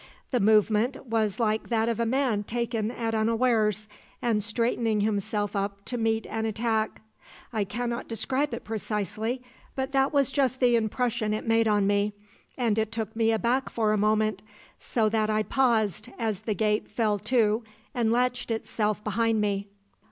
The movement was like that of a man taken at unawares, and straightening himself up to meet an attack. I cannot describe it precisely, but that was just the impression it made on me, and it took me aback for a moment, so that I paused as the gate fell to and latched itself behind me.